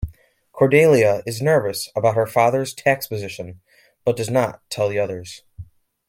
Cordelia is nervous about her father's tax position but does not tell the others.